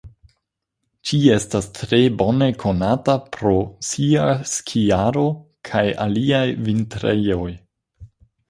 Ĝi estas tre bone konata pro sia skiado kaj aliaj vintrejoj.